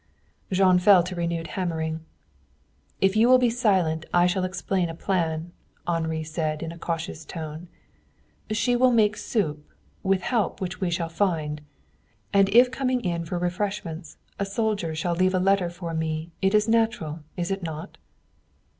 Jean fell to renewed hammering. "If you will be silent I shall explain a plan," Henri said in a cautious tone. "She will make soup, with help which we shall find. And if coming in for refreshments a soldier shall leave a letter for me it is natural, is it not?"